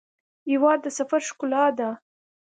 هېواد د سفر ښکلا ده.